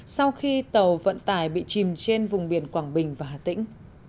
sau khi tàu vận tải bị chìm trên vùng biển quảng bình và hà tĩnh